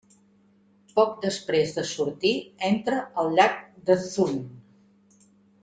Poc després de sortir entra al llac de Thun.